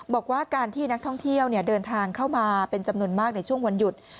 บอกว่าการที่นักท่องเที่ยวเดินทางเข้ามาเป็นจำนวนมากในช่วงวันหยุด